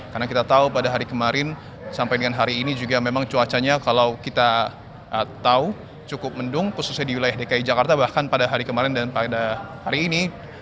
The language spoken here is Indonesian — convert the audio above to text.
karena kita tahu pada hari kemarin sampai dengan hari ini juga memang cuacanya kalau kita tahu cukup mendung khususnya di wilayah dki jakarta bahkan pada hari kemarin dan pada hari ini